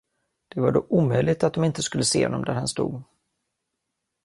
Det var då omöjligt att de inte skulle se honom där han stod.